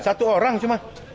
satu orang cuma